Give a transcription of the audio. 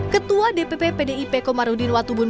ketua dpp pdip komarudin watubun